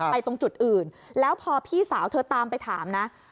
ตรงจุดอื่นแล้วพอพี่สาวเธอตามไปถามนะ